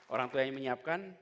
orang tua yang menyiapkan